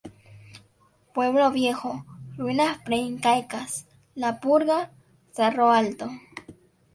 Pueblo Viejo, ruinas preincaicas, "la Purga", Cerro Alto.